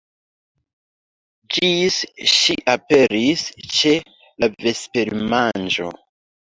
Ĝis ŝi aperis ĉe la vespermanĝo.